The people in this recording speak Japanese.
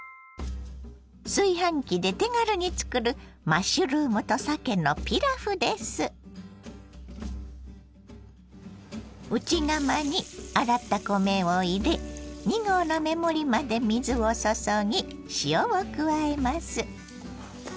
炊飯器で手軽に作る内釜に洗った米を入れ２合の目盛りまで水を注ぎ塩を加えます。